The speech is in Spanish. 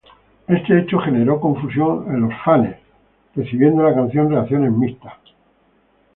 Este hecho generó confusión en los fanes, recibiendo la canción reacciones mixtas.